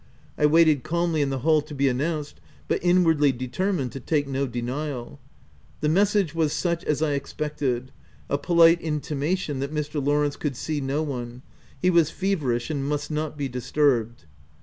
I waited calmly in the hall to be announced, but inwardly determined to take no denial. The message was such as I expected — a polite intimation that Mr. Law rence could see no one ; he was feverish and must not be disturbed.